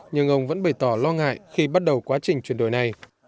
nhưng ông vẫn bày tỏ lo ngại khi bắt đầu quá trình chuyển đổi này